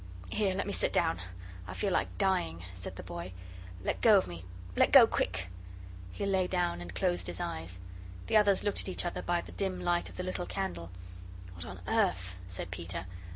"Here, let me sit down. I feel like dying," said the boy. "Let go of me let go, quick " He lay down and closed his eyes. The others looked at each other by the dim light of the little candle. "What on earth!" said Peter.